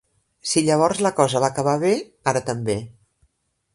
Si llavors la cosa va acabar bé, ara també.